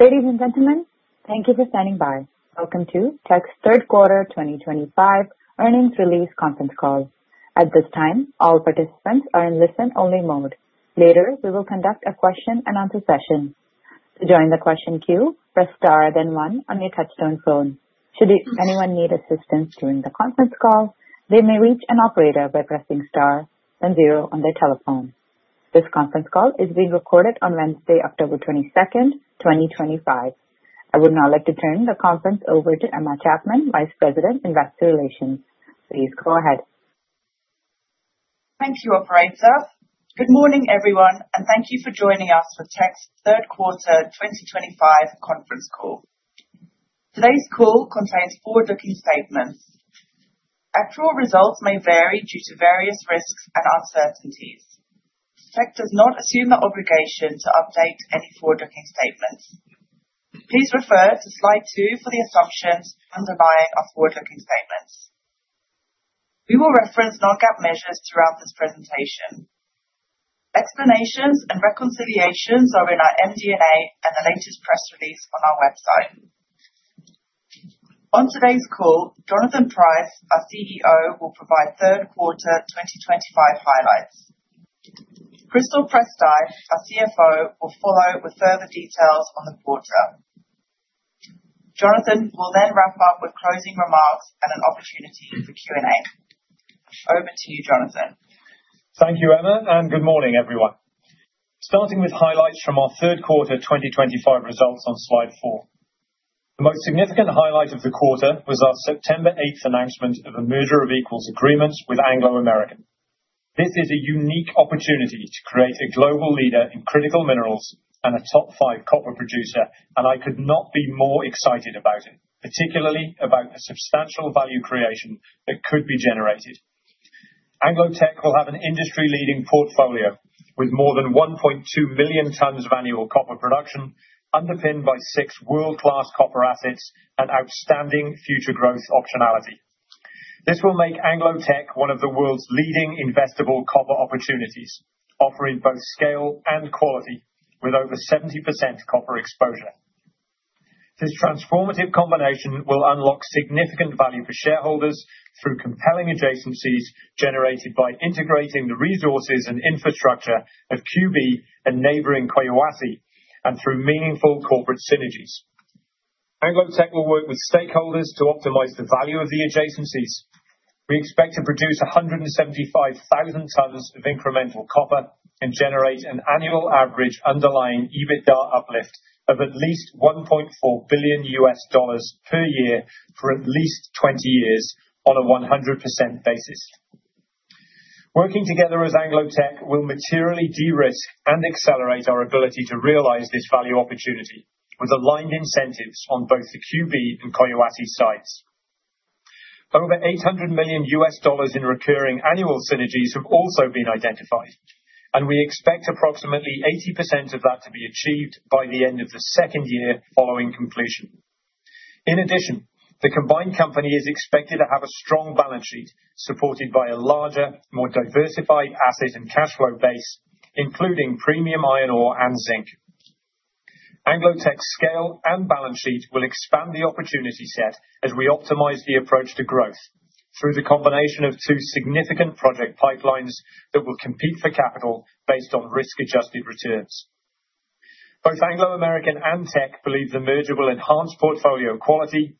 Ladies and gentlemen, thank you for standing by. Welcome to Teck's Third Quarter 2025 Earnings Release Conference Call. At this time, all participants are in listen-only mode. Later, we will conduct a question-and-answer session. To join the question queue, press star then one on your touch-tone phone. Should anyone need assistance during the conference call, they may reach an operator by pressing star then zero on their telephone. This conference call is being recorded on Wednesday, October 22nd, 2025. I would now like to turn the conference over to Emma Chapman, Vice President, Investor Relations. Please go ahead. Thank you, Operator. Good morning, everyone, and thank you for joining us for Teck's Third Quarter 2025 Conference Call. Today's call contains forward-looking statements. Actual results may vary due to various risks and uncertainties. Teck does not assume the obligation to update any forward-looking statements. Please refer to slide two for the assumptions underlying our forward-looking statements. We will reference non-GAAP measures throughout this presentation. Explanations and reconciliations are in our MD&A and the latest press release on our website. On today's call, Jonathan Price, our CEO, will provide Third Quarter 2025 highlights. Crystal Prystai, our CFO, will follow with further details on the quarter. Jonathan will then wrap up with closing remarks and an opportunity for Q&A. Over to you, Jonathan. Thank you, Emma, and good morning, everyone. Starting with highlights from our Third Quarter 2025 results on slide four. The most significant highlight of the quarter was our September 8th announcement of a merger of equals agreements with Anglo American. This is a unique opportunity to create a global leader in critical minerals and a top five copper producer, and I could not be more excited about it, particularly about the substantial value creation that could be generated. Anglo Teck will have an industry-leading portfolio with more than 1.2 million tons of annual copper production, underpinned by six world-class copper assets and outstanding future growth optionality. This will make Anglo Teck one of the world's leading investable copper opportunities, offering both scale and quality with over 70% copper exposure. This transformative combination will unlock significant value for shareholders through compelling adjacencies generated by integrating the resources and infrastructure of QB and neighboring Collahuasi, and through meaningful corporate synergies. Anglo Teck will work with stakeholders to optimize the value of the adjacencies. We expect to produce 175,000 tons of incremental copper and generate an annual average underlying EBITDA uplift of at least $1.4 billion per year for at least 20 years on a 100% basis. Working together as Anglo Teck will materially de-risk and accelerate our ability to realize this value opportunity with aligned incentives on both the QB and Collahuasi sites. Over $800 million in recurring annual synergies have also been identified, and we expect approximately 80% of that to be achieved by the end of the second year following completion. In addition, the combined company is expected to have a strong balance sheet supported by a larger, more diversified asset and cash flow base, including premium iron ore and zinc. Anglo Teck's scale and balance sheet will expand the opportunity set as we optimize the approach to growth through the combination of two significant project pipelines that will compete for capital based on risk-adjusted returns. Both Anglo American and Teck believe the merger will enhance portfolio quality,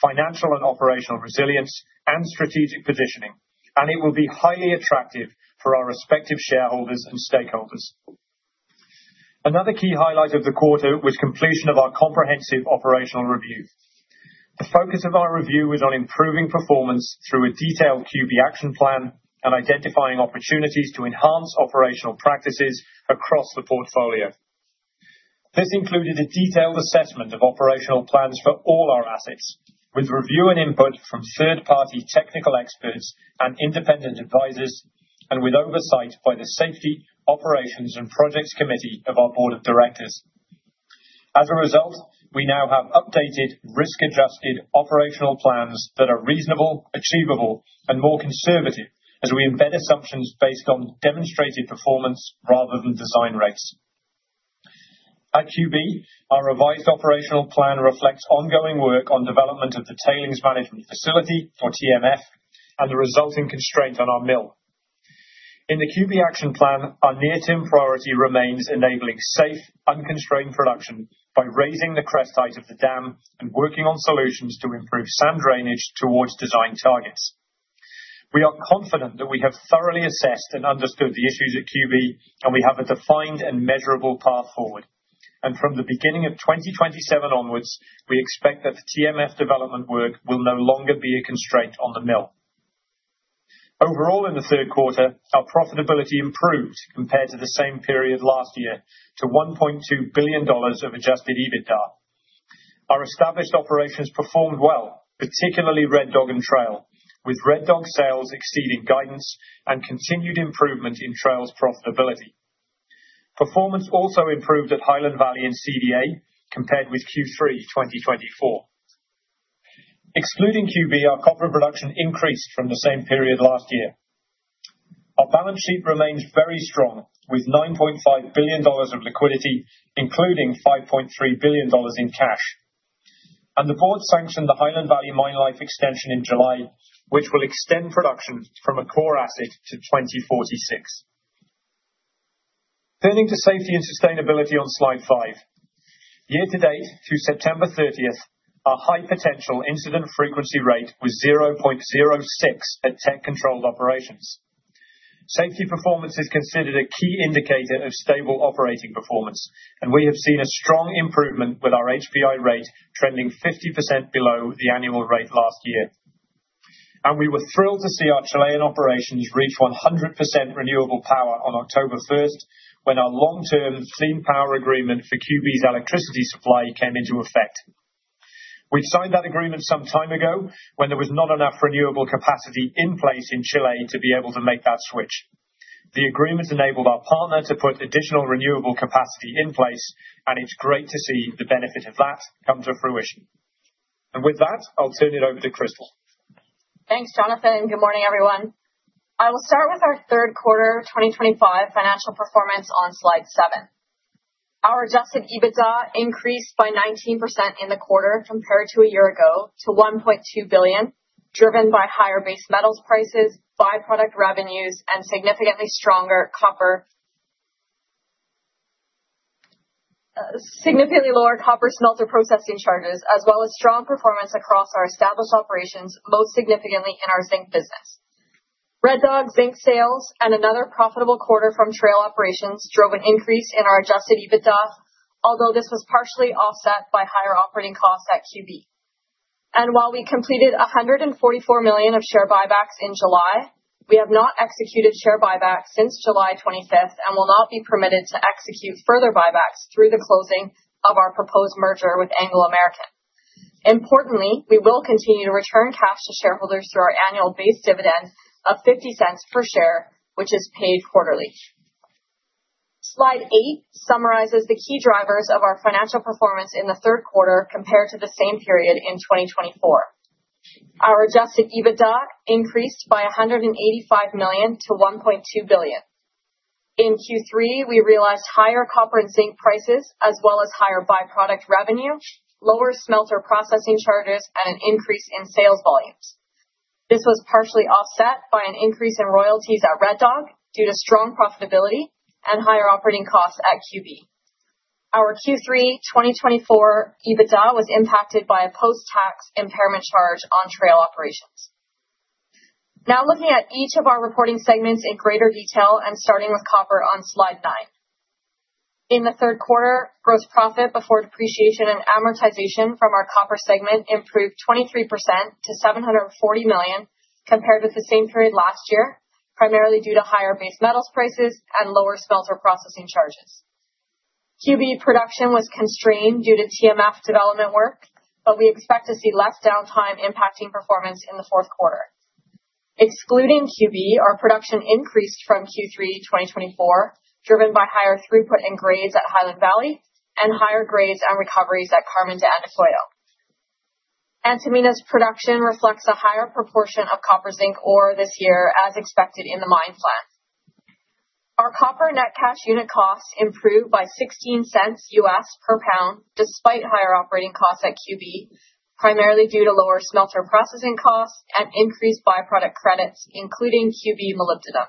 financial and operational resilience, and strategic positioning, and it will be highly attractive for our respective shareholders and stakeholders. Another key highlight of the quarter was completion of our comprehensive operational review. The focus of our review was on improving performance through a detailed QB action plan and identifying opportunities to enhance operational practices across the portfolio. This included a detailed assessment of operational plans for all our assets, with review and input from third-party technical experts and independent advisors, and with oversight by the Safety, Operations, and Projects Committee of our Board of Directors. As a result, we now have updated, risk-adjusted operational plans that are reasonable, achievable, and more conservative as we embed assumptions based on demonstrated performance rather than design rates. At QB, our revised operational plan reflects ongoing work on development of the tailings management facility for TMF and the resulting constraint on our mill. In the QB action plan, our near-term priority remains enabling safe, unconstrained production by raising the crest height of the dam and working on solutions to improve sand drainage towards design targets. We are confident that we have thoroughly assessed and understood the issues at QB, and we have a defined and measurable path forward. And from the beginning of 2027 onwards, we expect that the TMF development work will no longer be a constraint on the mill. Overall, in the third quarter, our profitability improved compared to the same period last year to $1.2 billion of Adjusted EBITDA. Our established operations performed well, particularly Red Dog and Trail, with Red Dog sales exceeding guidance and continued improvement in Trail's profitability. Performance also improved at Highland Valley and CdA compared with Q3 2024. Excluding QB, our copper production increased from the same period last year. Our balance sheet remains very strong with $9.5 billion of liquidity, including $5.3 billion in cash. And the board sanctioned the Highland Valley mine life extension in July, which will extend production from a core asset to 2046. Turning to safety and sustainability on slide five. Year to date, through September 30th, our High Potential Incident frequency rate was 0.06 at Teck-controlled operations. Safety performance is considered a key indicator of stable operating performance, and we have seen a strong improvement with our HPI rate trending 50% below the annual rate last year, and we were thrilled to see our Chilean operations reach 100% renewable power on October 1st when our long-term clean power agreement for QB's electricity supply came into effect. We signed that agreement some time ago when there was not enough renewable capacity in place in Chile to be able to make that switch. The agreement enabled our partner to put additional renewable capacity in place, and it's great to see the benefit of that come to fruition, and with that, I'll turn it over to Crystal. Thanks, Jonathan. Good morning, everyone. I will start with our Third Quarter 2025 financial performance on slide seven. Our Adjusted EBITDA increased by 19% in the quarter compared to a year ago to $1.2 billion, driven by higher base metals prices, byproduct revenues, and significantly stronger copper, significantly lower copper smelter processing charges, as well as strong performance across our established operations, most significantly in our zinc business. Red Dog zinc sales and another profitable quarter from Trail Operations drove an increase in our Adjusted EBITDA, although this was partially offset by higher operating costs at QB, and while we completed $144 million of share buybacks in July, we have not executed share buybacks since July 25th and will not be permitted to execute further buybacks through the closing of our proposed merger with Anglo American. Importantly, we will continue to return cash to shareholders through our annual base dividend of $0.50 per share, which is paid quarterly. Slide eight summarizes the key drivers of our financial performance in the third quarter compared to the same period in 2024. Our Adjusted EBITDA increased by $185 million to $1.2 billion. In Q3, we realized higher copper and zinc prices, as well as higher byproduct revenue, lower smelter processing charges, and an increase in sales volumes. This was partially offset by an increase in royalties at Red Dog due to strong profitability and higher operating costs at QB. Our Q3 2024 EBITDA was impacted by a post-tax impairment charge on Trail Operations. Now looking at each of our reporting segments in greater detail and starting with copper on slide nine. In the third quarter, gross profit before depreciation and amortization from our copper segment improved 23% to $740 million compared with the same period last year, primarily due to higher base metals prices and lower smelter processing charges. QB production was constrained due to TMF development work, but we expect to see less downtime impacting performance in the fourth quarter. Excluding QB, our production increased in Q3 2024, driven by higher throughput and grades at Highland Valley and higher grades and recoveries at Carmen de Andacollo. Antamina's production reflects a higher proportion of copper zinc ore this year, as expected in the mine plan. Our copper net cash unit costs improved by $0.16 per pound, despite higher operating costs at QB, primarily due to lower smelter processing costs and increased byproduct credits, including QB molybdenum.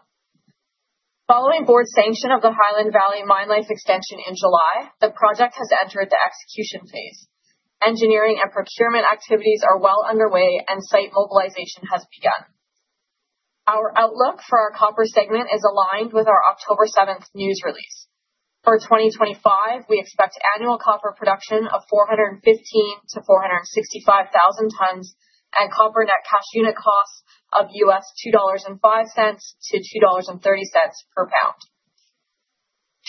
Following board sanction of the Highland Valley Copper mine life extension in July, the project has entered the execution phase. Engineering and procurement activities are well underway, and site mobilization has begun. Our outlook for our copper segment is aligned with our October 7th news release. For 2025, we expect annual copper production of 415,000-465,000 tons and copper net cash unit costs of $2.05-$2.30 per pound.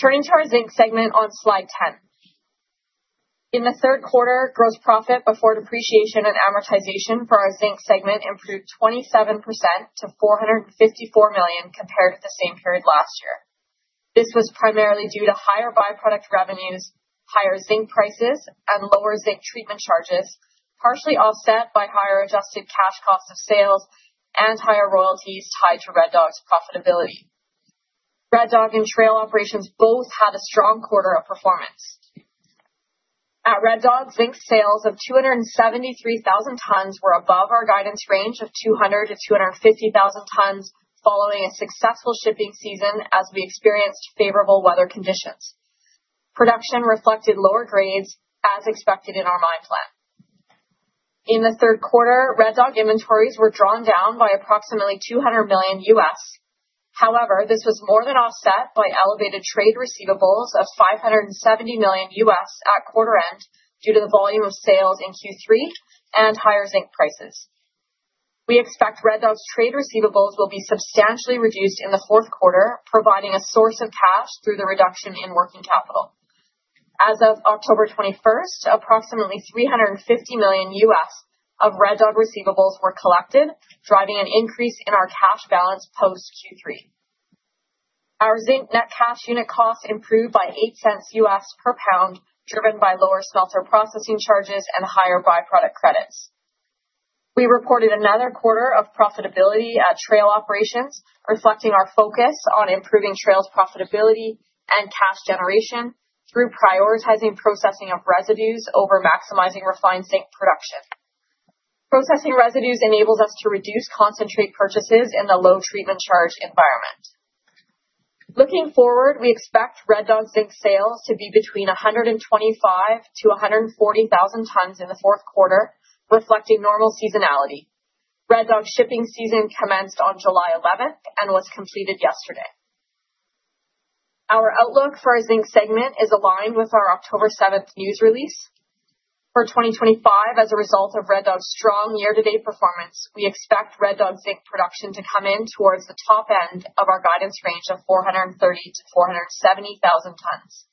Turning to our zinc segment on slide 10. In the third quarter, gross profit before depreciation and amortization for our zinc segment improved 27% to $454 million compared to the same period last year. This was primarily due to higher byproduct revenues, higher zinc prices, and lower zinc treatment charges, partially offset by higher adjusted cash costs of sales and higher royalties tied to Red Dog's profitability. Red Dog and Trail Operations both had a strong quarter of performance. At Red Dog, zinc sales of 273,000 tons were above our guidance range of 200-250,000 tons following a successful shipping season as we experienced favorable weather conditions. Production reflected lower grades, as expected in our mine plan. In the third quarter, Red Dog inventories were drawn down by approximately $200 million. However, this was more than offset by elevated trade receivables of $570 million at quarter end due to the volume of sales in Q3 and higher zinc prices. We expect Red Dog's trade receivables will be substantially reduced in the fourth quarter, providing a source of cash through the reduction in working capital. As of October 21st, approximately $350 million of Red Dog receivables were collected, driving an increase in our cash balance post Q3. Our zinc net cash unit costs improved by $0.08 per pound, driven by lower smelter processing charges and higher byproduct credits. We reported another quarter of profitability at Trail Operations, reflecting our focus on improving Trail's profitability and cash generation through prioritizing processing of residues over maximizing refined zinc production. Processing residues enables us to reduce concentrate purchases in the low treatment charge environment. Looking forward, we expect Red Dog zinc sales to be between 125,000-140,000 tons in the fourth quarter, reflecting normal seasonality. Red Dog shipping season commenced on July 11th and was completed yesterday. Our outlook for our zinc segment is aligned with our October 7th news release. For 2025, as a result of Red Dog's strong year-to-date performance, we expect Red Dog zinc production to come in towards the top end of our guidance range of 430,000-470,000 tons.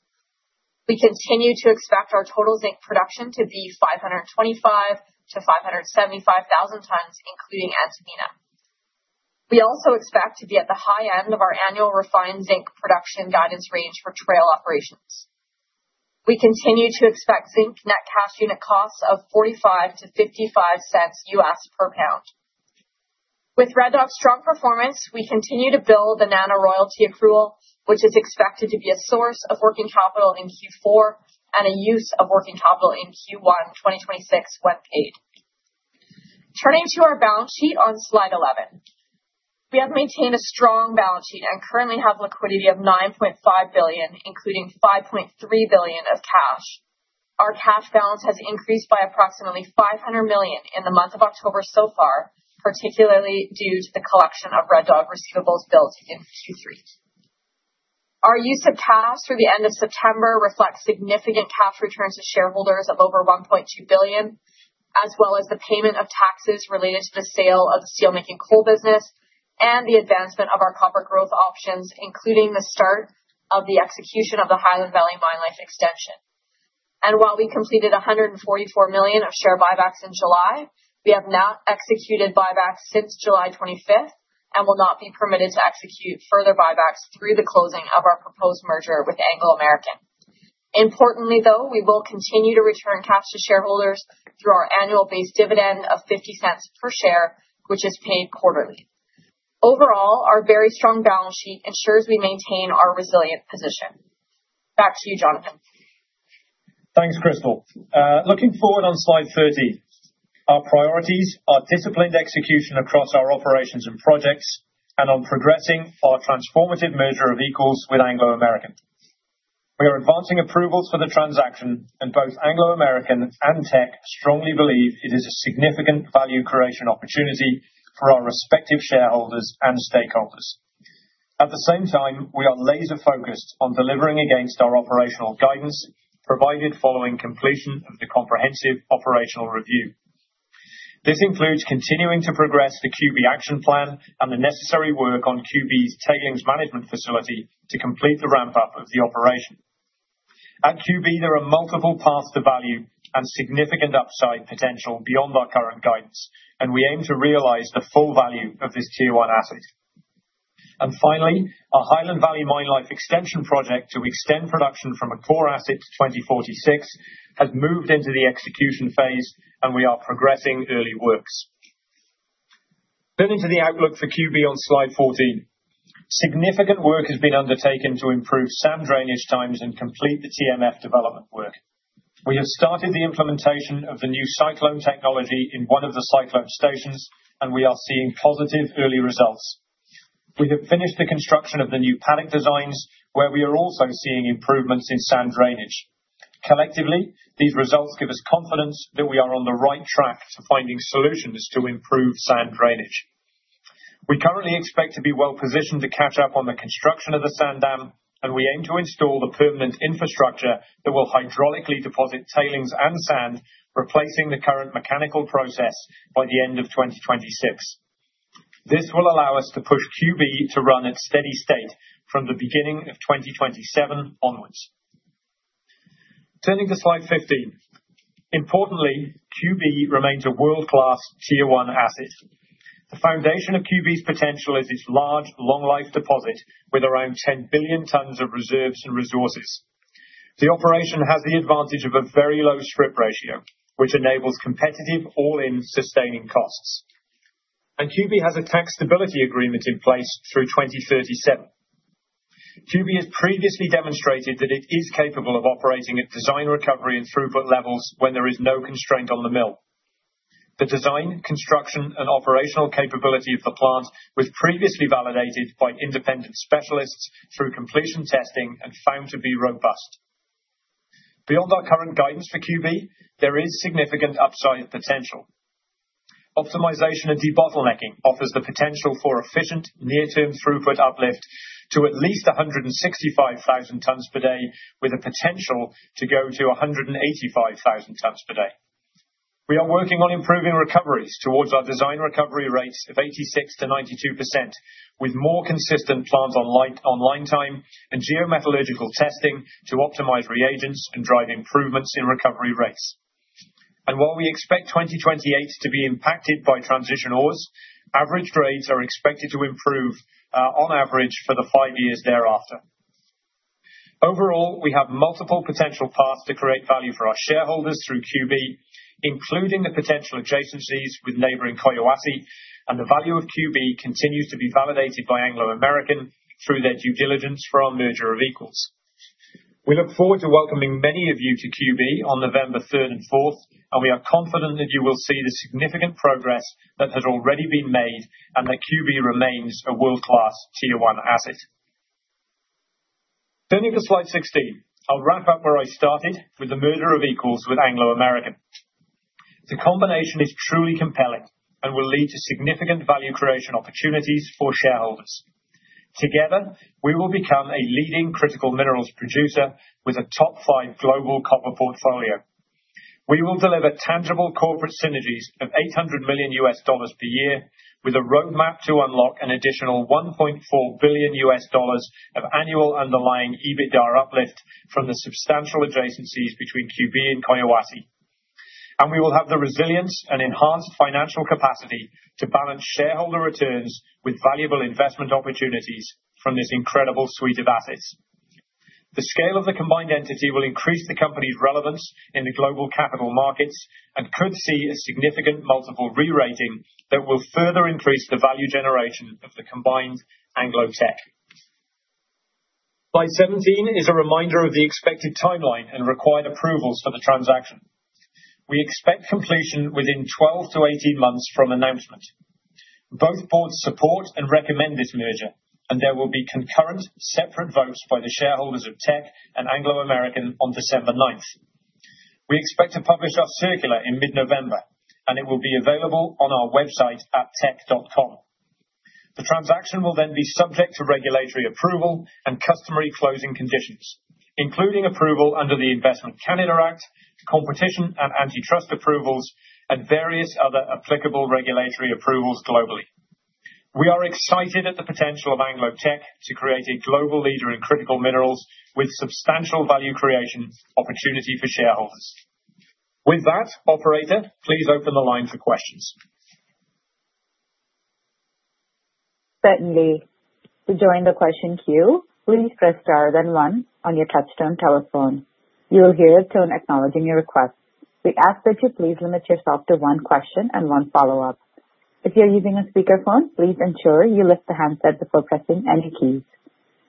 We continue to expect our total zinc production to be 525,000-575,000 tons, including Antamina. We also expect to be at the high end of our annual refined zinc production guidance range for Trail Operations. We continue to expect zinc net cash unit costs of $0.45-$0.55 per pound. With Red Dog's strong performance, we continue to build the NANA royalty accrual, which is expected to be a source of working capital in Q4 and a use of working capital in Q1 2026 when paid. Turning to our balance sheet on slide 11, we have maintained a strong balance sheet and currently have liquidity of $9.5 billion, including $5.3 billion of cash. Our cash balance has increased by approximately $500 million in the month of October so far, particularly due to the collection of Red Dog receivables billed in Q3. Our use of cash through the end of September reflects significant cash returns to shareholders of over $1.2 billion, as well as the payment of taxes related to the sale of the steelmaking coal business and the advancement of our copper growth options, including the start of the execution of the Highland Valley Copper mine life extension. And while we completed $144 million of share buybacks in July, we have not executed buybacks since July 25th and will not be permitted to execute further buybacks through the closing of our proposed merger with Anglo American. Importantly, though, we will continue to return cash to shareholders through our annual base dividend of $0.50 per share, which is paid quarterly. Overall, our very strong balance sheet ensures we maintain our resilient position. Back to you, Jonathan. Thanks, Crystal. Looking forward on slide 30, our priorities are disciplined execution across our operations and projects and on progressing our transformative Merger of Equals with Anglo American. We are advancing approvals for the transaction, and both Anglo American and Teck strongly believe it is a significant value creation opportunity for our respective shareholders and stakeholders. At the same time, we are laser-focused on delivering against our operational guidance provided following completion of the comprehensive operational review. This includes continuing to progress the QB action plan and the necessary work on QB's tailings management facility to complete the ramp-up of the operation. At QB, there are multiple paths to value and significant upside potential beyond our current guidance, and we aim to realize the full value of this tier one asset. And finally, our Highland Valley Copper mine life extension project to extend production from a core asset to 2046 has moved into the execution phase, and we are progressing early works. Turning to the outlook for QB on slide 14, significant work has been undertaken to improve sand drainage times and complete the TMF development work. We have started the implementation of the new cyclone technology in one of the cyclone stations, and we are seeing positive early results. We have finished the construction of the new paddock designs, where we are also seeing improvements in sand drainage. Collectively, these results give us confidence that we are on the right track to finding solutions to improve sand drainage. We currently expect to be well-positioned to catch up on the construction of the sand dam, and we aim to install the permanent infrastructure that will hydraulically deposit tailings and sand, replacing the current mechanical process by the end of 2026. This will allow us to push QB to run at steady state from the beginning of 2027 onwards. Turning to slide 15, importantly, QB remains a world-class tier one asset. The foundation of QB's potential is its large long-life deposit with around 10 billion tons of reserves and resources. The operation has the advantage of a very low strip ratio, which enables competitive all-in sustaining costs, and QB has a tax stability agreement in place through 2037. QB has previously demonstrated that it is capable of operating at design recovery and throughput levels when there is no constraint on the mill. The design, construction, and operational capability of the plant was previously validated by independent specialists through completion testing and found to be robust. Beyond our current guidance for QB, there is significant upside potential. Optimization and debottlenecking offers the potential for efficient near-term throughput uplift to at least 165,000 tons per day, with a potential to go to 185,000 tons per day. We are working on improving recoveries towards our design recovery rates of 86%-92%, with more consistent plant online time and geometallurgical testing to optimize reagents and drive improvements in recovery rates. And while we expect 2028 to be impacted by transition ores, average grades are expected to improve on average for the five years thereafter. Overall, we have multiple potential paths to create value for our shareholders through QB, including the potential adjacencies with neighboring Collahuasi, and the value of QB continues to be validated by Anglo American through their due diligence for our Merger of Equals. We look forward to welcoming many of you to QB on November 3rd and 4th, and we are confident that you will see the significant progress that has already been made and that QB remains a world-class tier one asset. Turning to slide 16, I'll wrap up where I started with the Merger of Equals with Anglo American. The combination is truly compelling and will lead to significant value creation opportunities for shareholders. Together, we will become a leading critical minerals producer with a top five global copper portfolio. We will deliver tangible corporate synergies of $800 million per year, with a roadmap to unlock an additional $1.4 billion of annual underlying EBITDA uplift from the substantial adjacencies between QB and Collahuasi. And we will have the resilience and enhanced financial capacity to balance shareholder returns with valuable investment opportunities from this incredible suite of assets. The scale of the combined entity will increase the company's relevance in the global capital markets and could see a significant multiple re-rating that will further increase the value generation of the combined Anglo Teck. Slide 17 is a reminder of the expected timeline and required approvals for the transaction. We expect completion within 12-18 months from announcement. Both boards support and recommend this merger, and there will be concurrent separate votes by the shareholders of Teck and Anglo American on December 9th. We expect to publish our circular in mid-November, and it will be available on our website at teck.com. The transaction will then be subject to regulatory approval and customary closing conditions, including approval under the Investment Canada Act, competition and antitrust approvals, and various other applicable regulatory approvals globally. We are excited at the potential of Anglo Teck to create a global leader in critical minerals with substantial value creation opportunity for shareholders. With that, Operator, please open the line for questions. Certainly. To join the question queue, please press star then one on your touch-tone telephone. You will hear a tone acknowledging your request. We ask that you please limit yourself to one question and one follow-up. If you're using a speakerphone, please ensure you lift the handset before pressing any keys.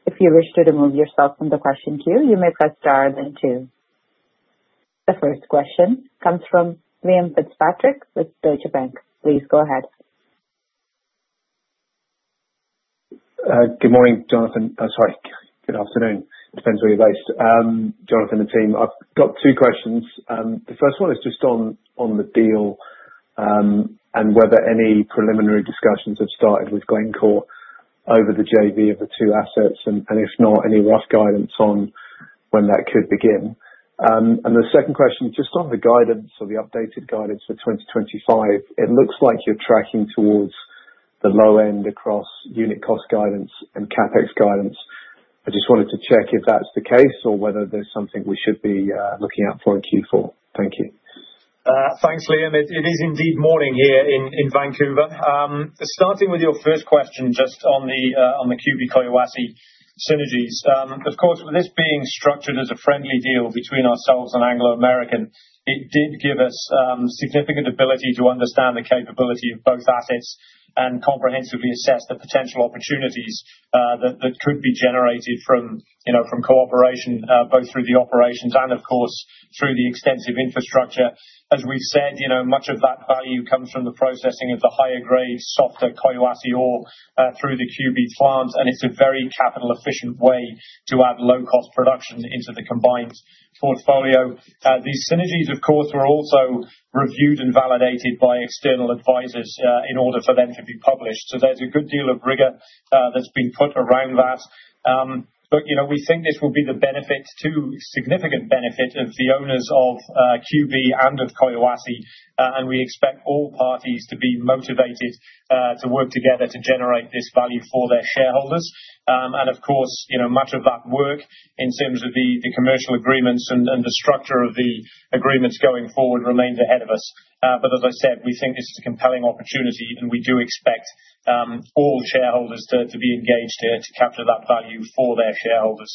If you wish to remove yourself from the question queue, you may press star then two. The first question comes from Liam Fitzpatrick with Deutsche Bank. Please go ahead. Good morning, Jonathan. Sorry, good afternoon. Depends where you're based. Jonathan and team, I've got two questions. The first one is just on the deal and whether any preliminary discussions have started with Glencore over the JV of the two assets and, if not, any rough guidance on when that could begin. And the second question is just on the guidance or the updated guidance for 2025. It looks like you're tracking towards the low end across unit cost guidance and CapEx guidance. I just wanted to check if that's the case or whether there's something we should be looking out for in Q4. Thank you. Thanks, Liam. It is indeed morning here in Vancouver. Starting with your first question just on the QB Collahuasi synergies. Of course, with this being structured as a friendly deal between ourselves and Anglo American, it did give us significant ability to understand the capability of both assets and comprehensively assess the potential opportunities that could be generated from cooperation, both through the operations and, of course, through the extensive infrastructure. As we've said, much of that value comes from the processing of the higher-grade, softer Collahuasi ore through the QB plants, and it's a very capital-efficient way to add low-cost production into the combined portfolio. These synergies, of course, were also reviewed and validated by external advisors in order for them to be published. So there's a good deal of rigor that's been put around that. But we think this will be a significant benefit to the owners of QB and of Collahuasi, and we expect all parties to be motivated to work together to generate this value for their shareholders. And, of course, much of that work in terms of the commercial agreements and the structure of the agreements going forward remains ahead of us. But, as I said, we think this is a compelling opportunity, and we do expect all shareholders to be engaged here to capture that value for their shareholders.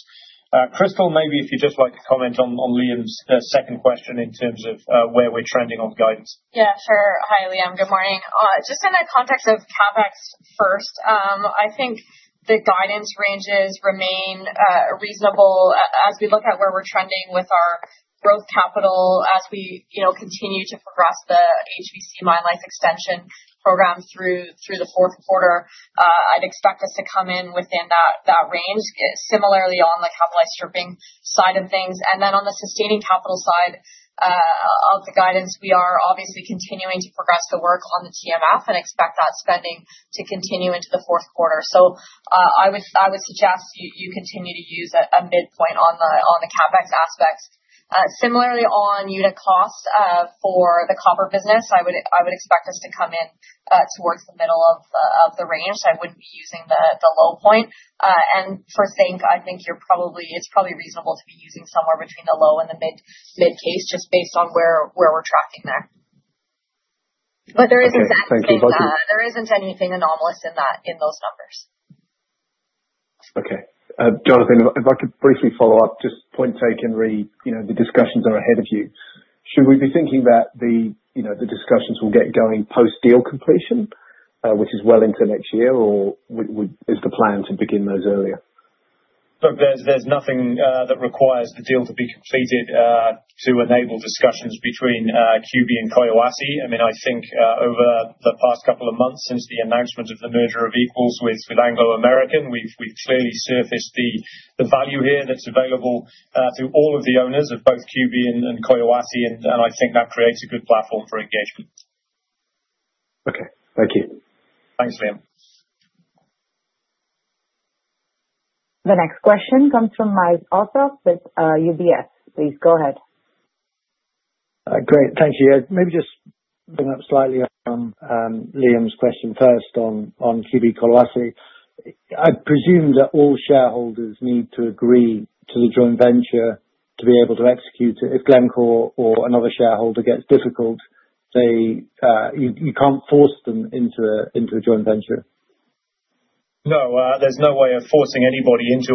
Crystal, maybe if you'd just like to comment on Liam's second question in terms of where we're trending on guidance. Yeah, sure. Hi, Liam. Good morning. Just in the context of CapEx first, I think the guidance ranges remain reasonable as we look at where we're trending with our growth capital as we continue to progress the HVC Mine Life extension program through the fourth quarter. I'd expect us to come in within that range, similarly on the capitalized stripping side of things, and then on the sustaining capital side of the guidance, we are obviously continuing to progress the work on the TMF and expect that spending to continue into the fourth quarter, so I would suggest you continue to use a midpoint on the CapEx aspects. Similarly, on unit cost for the copper business, I would expect us to come in towards the middle of the range. I wouldn't be using the low point. For Zinc, I think it's probably reasonable to be using somewhere between the low and the mid case just based on where we're tracking there. There isn't anything anomalous in those numbers. Okay. Jonathan, if I could briefly follow up, just point taken, the discussions are ahead of you. Should we be thinking that the discussions will get going post-deal completion, which is well into next year, or is the plan to begin those earlier? Look, there's nothing that requires the deal to be completed to enable discussions between QB and Collahuasi. I mean, I think over the past couple of months since the announcement of the Merger of Equals with Anglo American, we've clearly surfaced the value here that's available to all of the owners of both QB and Collahuasi, and I think that creates a good platform for engagement. Okay. Thank you. Thanks, Liam. The next question comes from Myles Allsop with UBS. Please go ahead. Great. Thank you. Maybe just bring up slightly on Liam's question first on QB Collahuasi. I presume that all shareholders need to agree to the joint venture to be able to execute it. If Glencore or another shareholder gets difficult, you can't force them into a joint venture. No, there's no way of forcing anybody into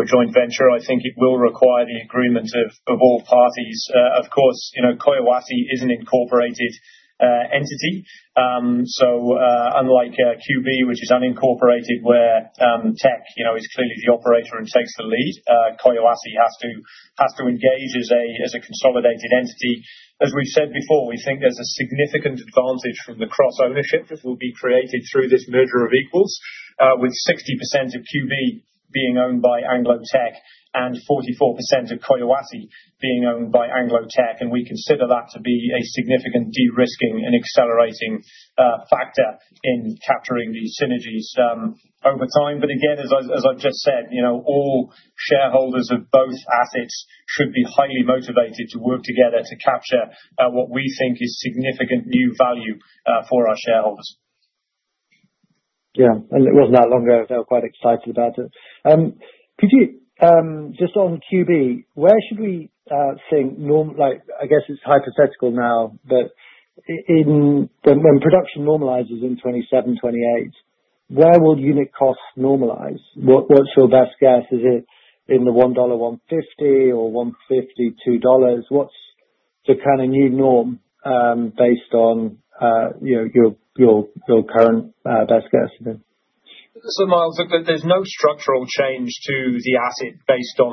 a joint venture. I think it will require the agreement of all parties. Of course, Collahuasi is an incorporated entity. So unlike QB, which is unincorporated where Teck is clearly the operator and takes the lead, Collahuasi has to engage as a consolidated entity. As we've said before, we think there's a significant advantage from the cross-ownership that will be created through this Merger of Equals, with 60% of QB being owned by Anglo Teck and 44% of Collahuasi being owned by Anglo Teck. And we consider that to be a significant de-risking and accelerating factor in capturing these synergies over time. But again, as I've just said, all shareholders of both assets should be highly motivated to work together to capture what we think is significant new value for our shareholders. Yeah, and it wasn't that long ago, so quite excited about it. Just on QB, where should we think? I guess it's hypothetical now, but when production normalizes in 2027, 2028, where will unit costs normalize? What's your best guess? Is it in the $1.15 or $1.52? What's the kind of new norm based on your current best guess? Look, there's no structural change to the asset based on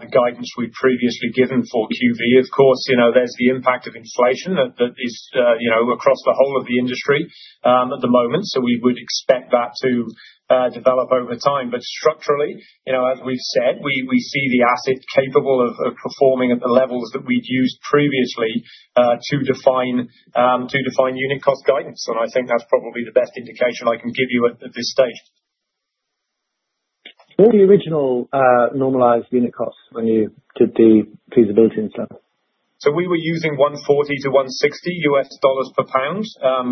the guidance we've previously given for QB. Of course, there's the impact of inflation that is across the whole of the industry at the moment, so we would expect that to develop over time. But structurally, as we've said, we see the asset capable of performing at the levels that we'd used previously to define unit cost guidance. And I think that's probably the best indication I can give you at this stage. What were the original normalized unit costs when you did the feasibility and stuff? So we were using $140-$160 per pound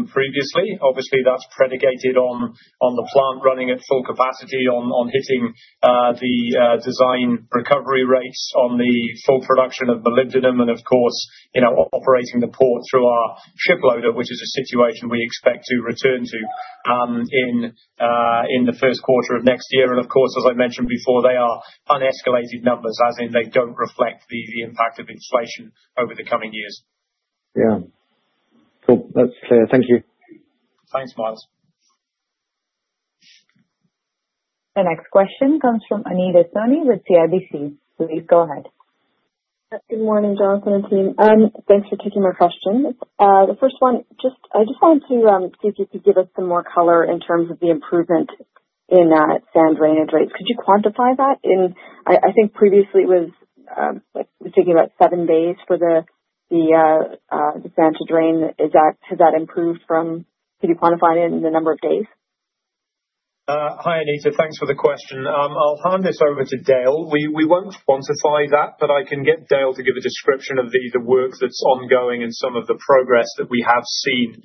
previously. Obviously, that's predicated on the plant running at full capacity, on hitting the design recovery rates on the full production of molybdenum, and, of course, operating the port through our shiploader, which is a situation we expect to return to in the first quarter of next year. And, of course, as I mentioned before, they are unescalated numbers, as in they don't reflect the impact of inflation over the coming years. Yeah. Cool. That's clear. Thank you. Thanks, Miles. The next question comes from Anita Soni with CIBC. Please go ahead. Good morning, Jonathan and team. Thanks for taking my question. The first one, I just wanted to see if you could give us some more color in terms of the improvement in sand drainage rates. Could you quantify that? I think previously it was thinking about seven days for the sand to drain. Has that improved from? Could you quantify it in the number of days? Hi, Anita. Thanks for the question. I'll hand this over to Dale. We won't quantify that, but I can get Dale to give a description of the work that's ongoing and some of the progress that we have seen,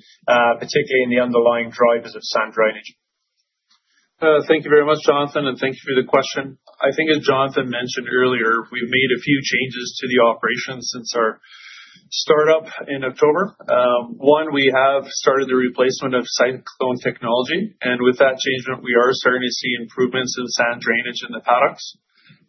particularly in the underlying drivers of sand drainage. Thank you very much, Jonathan, and thank you for the question. I think, as Jonathan mentioned earlier, we've made a few changes to the operations since our startup in October. One, we have started the replacement of Cyclone technology, and with that change, we are starting to see improvements in sand drainage in the paddocks,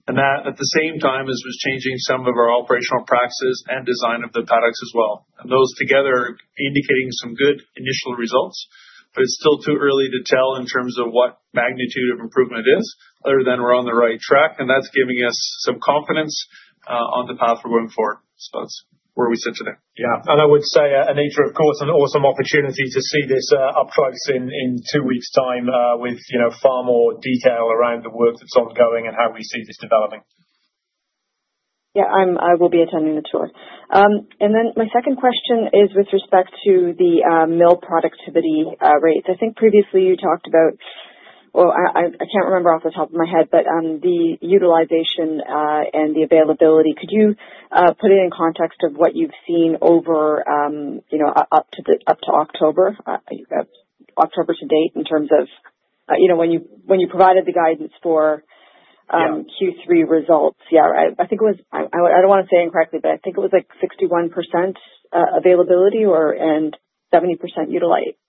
and that, at the same time, is changing some of our operational practices and design of the paddocks as well, and those together are indicating some good initial results, but it's still too early to tell in terms of what magnitude of improvement it is, other than we're on the right track, and that's giving us some confidence on the path we're going forward, so that's where we sit today. Yeah, and I would say, Anita, of course, an awesome opportunity to see this up close in two weeks' time with far more detail around the work that's ongoing and how we see this developing. Yeah, I will be attending the tour. And then my second question is with respect to the mill productivity rates. I think previously you talked about, well, I can't remember off the top of my head, but the utilization and the availability. Could you put it in context of what you've seen up to October to date in terms of when you provided the guidance for Q3 results? Yeah, I think it was, I don't want to say incorrectly, but I think it was like 61% availability and 70%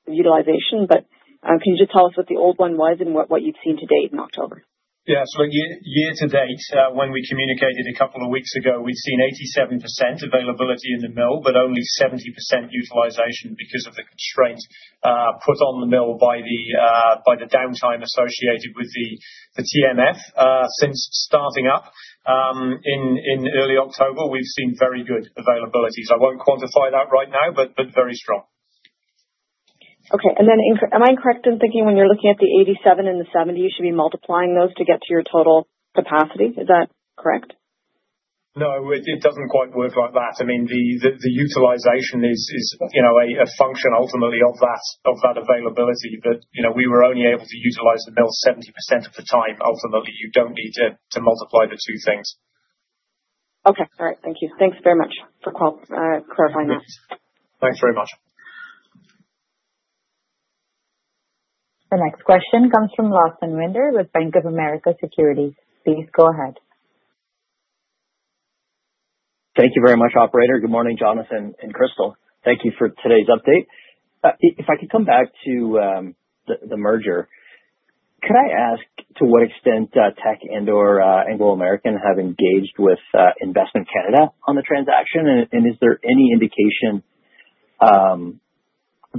utilization. But can you just tell us what the old one was and what you've seen to date in October? Yeah. So year to date, when we communicated a couple of weeks ago, we'd seen 87% availability in the mill, but only 70% utilization because of the constraint put on the mill by the downtime associated with the TMF. Since starting up in early October, we've seen very good availabilities. I won't quantify that right now, but very strong. Okay. And then am I incorrect in thinking when you're looking at the 87 and the 70, you should be multiplying those to get to your total capacity? Is that correct? No, it doesn't quite work like that. I mean, the utilization is a function, ultimately, of that availability. But we were only able to utilize the mill 70% of the time. Ultimately, you don't need to multiply the two things. Okay. All right. Thank you. Thanks very much for clarifying that. Thanks very much. The next question comes from Lawson Winder with Bank of America Securities. Please go ahead. Thank you very much, Operator. Good morning, Jonathan and Crystal. Thank you for today's update. If I could come back to the merger, could I ask to what extent Teck and/or Anglo American have engaged with Investment Canada on the transaction? And is there any indication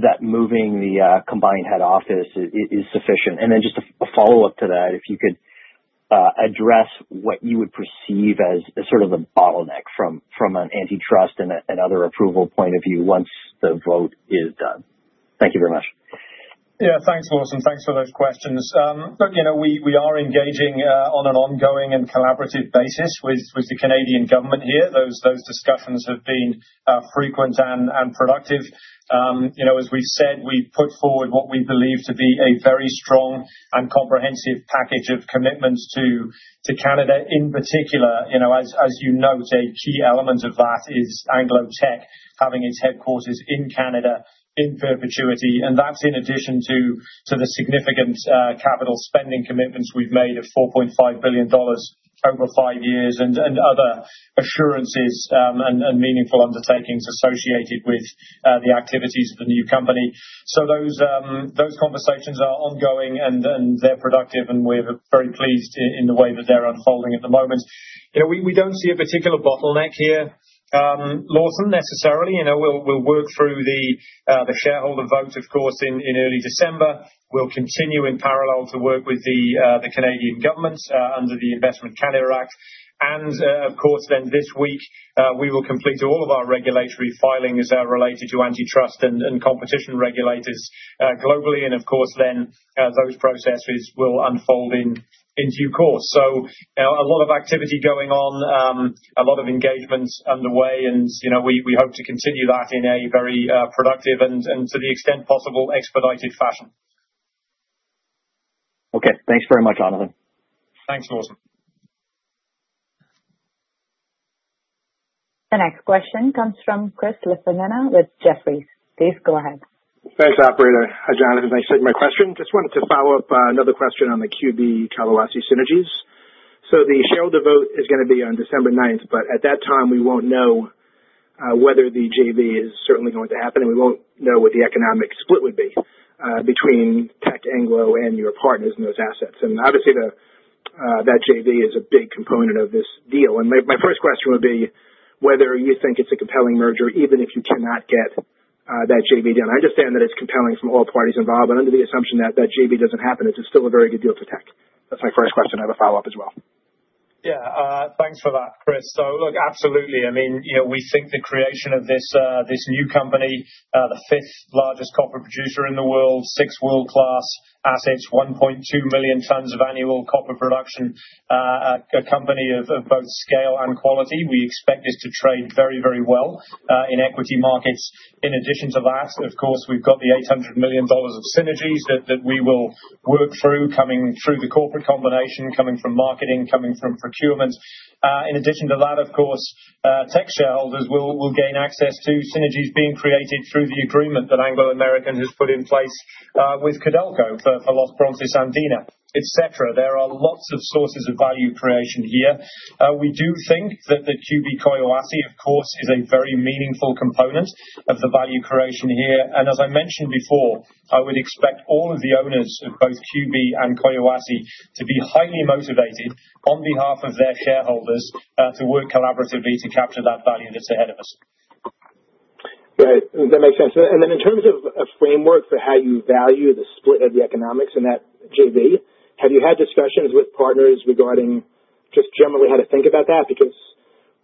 that moving the combined head office is sufficient? And then just a follow-up to that, if you could address what you would perceive as sort of the bottleneck from an antitrust and other approval point of view once the vote is done. Thank you very much. Yeah. Thanks, Lawson. Thanks for those questions. Look, we are engaging on an ongoing and collaborative basis with the Canadian government here. Those discussions have been frequent and productive. As we've said, we've put forward what we believe to be a very strong and comprehensive package of commitments to Canada in particular. As you note, a key element of that is Anglo Teck having its headquarters in Canada in perpetuity. And that's in addition to the significant capital spending commitments we've made of $4.5 billion over five years and other assurances and meaningful undertakings associated with the activities of the new company. So those conversations are ongoing, and they're productive, and we're very pleased in the way that they're unfolding at the moment. We don't see a particular bottleneck here, Lawson, necessarily. We'll work through the shareholder vote, of course, in early December. We'll continue in parallel to work with the Canadian government under the Investment Canada Act. And, of course, then this week, we will complete all of our regulatory filings related to antitrust and competition regulators globally. And, of course, then those processes will unfold in due course. So a lot of activity going on, a lot of engagements underway, and we hope to continue that in a very productive and, to the extent possible, expedited fashion. Okay. Thanks very much, Jonathan. Thanks, Lawson. The next question comes from Chris LaFemina with Jefferies. Please go ahead. Thanks, Operator. Hi, Jonathan. I sent my question. Just wanted to follow up another question on the QB Collahuasi synergies, so the shareholder vote is going to be on December 9th, but at that time, we won't know whether the JV is certainly going to happen, and we won't know what the economic split would be between Teck, Anglo, and your partners in those assets, and obviously, that JV is a big component of this deal, and my first question would be whether you think it's a compelling merger even if you cannot get that JV done. I understand that it's compelling from all parties involved, but under the assumption that that JV doesn't happen, it's still a very good deal for Teck. That's my first question. I have a follow-up as well. Yeah. Thanks for that, Chris. So look, absolutely. I mean, we think the creation of this new company, the fifth largest copper producer in the world, six world-class assets, 1.2 million tons of annual copper production, a company of both scale and quality. We expect this to trade very, very well in equity markets. In addition to that, of course, we've got the $800 million of synergies that we will work through coming through the corporate combination, coming from marketing, coming from procurement. In addition to that, of course, Teck shareholders will gain access to synergies being created through the agreement that Anglo American has put in place with Codelco for Los Bronces, Andina, etc. There are lots of sources of value creation here. We do think that the QB Collahuasi, of course, is a very meaningful component of the value creation here. And as I mentioned before, I would expect all of the owners of both QB and Collahuasi to be highly motivated on behalf of their shareholders to work collaboratively to capture that value that's ahead of us. Right. That makes sense. And then in terms of a framework for how you value the split of the economics in that JV, have you had discussions with partners regarding just generally how to think about that? Because,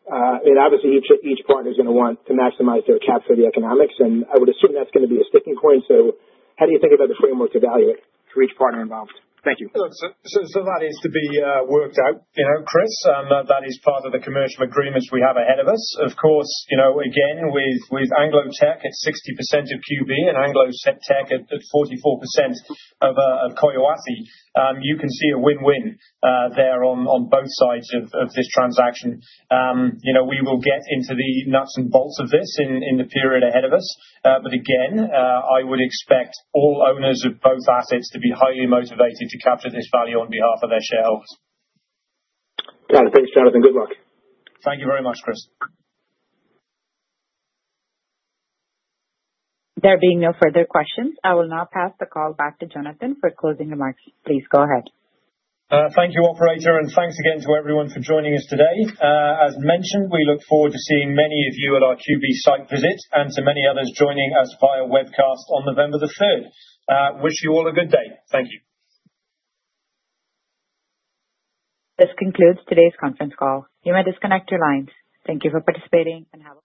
I mean, obviously, each partner is going to want to maximize their capture of the economics, and I would assume that's going to be a sticking point. So how do you think about the framework to value it for each partner involved? Thank you. So that is to be worked out, Chris. That is part of the commercial agreements we have ahead of us. Of course, again, with Anglo Teck at 60% of QB and Anglo Teck at 44% of Collahuasi, you can see a win-win there on both sides of this transaction. We will get into the nuts and bolts of this in the period ahead of us. But again, I would expect all owners of both assets to be highly motivated to capture this value on behalf of their shareholders. Thanks, Jonathan. Good luck. Thank you very much, Chris. There being no further questions, I will now pass the call back to Jonathan for closing remarks. Please go ahead. Thank you, Operator. And thanks again to everyone for joining us today. As mentioned, we look forward to seeing many of you at our QB site visit and to many others joining us via webcast on November the 3rd. Wish you all a good day. Thank you. This concludes today's conference call. You may disconnect your lines. Thank you for participating and have a good day.